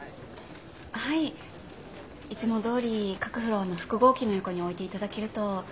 はいいつもどおり各フロアの複合機の横に置いて頂けると。